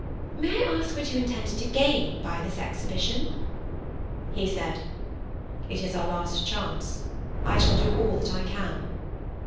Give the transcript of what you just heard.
"May I ask what you intend to gain by this exhibition?" He said: "It is our last chance. I shall do all that I can."